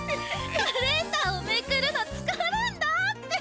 カレンダーをめくるのつかれんだって。